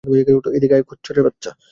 এদিকে আয়, খচ্চরের বাচ্চা!